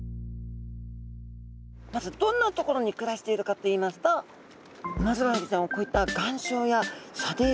まずどんな所に暮らしているかといいますとウマヅラハギちゃんはこういった岩礁や砂泥底に暮らしてるんですね。